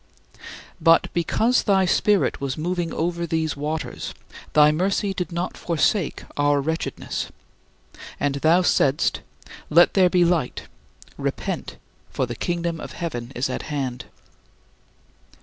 " But because thy Spirit was moving over these waters, thy mercy did not forsake our wretchedness, and thou saidst, "Let there be light; repent, for the kingdom of heaven is at hand."